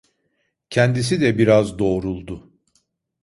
Kendisi de biraz doğruldu.